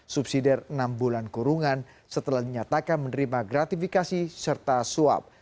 subsidi enam bulan kurungan setelah dinyatakan menerima gratifikasi serta suap